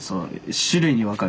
種類に分かれる。